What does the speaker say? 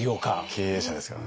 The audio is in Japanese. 経営者ですからね。